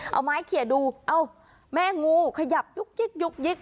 เอาไม้เขียนดูเอ้าแม่งูขยับยุกยิกยุกยิก